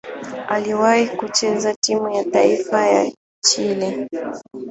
Aliwahi kucheza timu ya taifa ya Chile.